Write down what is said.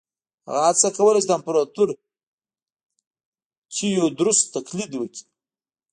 هغه هڅه کوله چې د امپراتور تیوودروس تقلید وکړي.